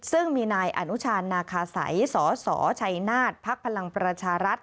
ซึ่งมีนายอนุชานาคาไสสสชัยนาฏพพลังประชารัฐ